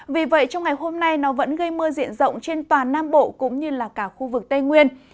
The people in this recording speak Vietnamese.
vì vậy trong ngày hôm nay nó vẫn gây mưa diện rộng trên toàn nam bộ cũng như là cả khu vực tây nguyên